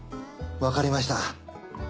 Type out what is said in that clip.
わかりました。